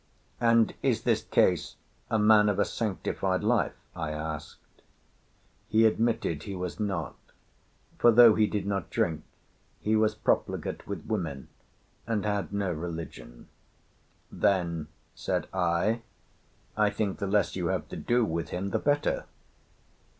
"'And is this Case a man of a sanctified life?' I asked. "He admitted he was not; for, though he did not drink, he was profligate with women, and had no religion. "'Then,' said I, 'I think the less you have to do with him the better.